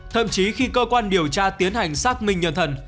thậm chí khi cơ quan điều tra tiến hành xác minh nhân thần